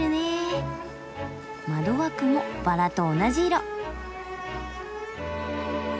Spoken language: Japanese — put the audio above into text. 窓枠もバラと同じ色！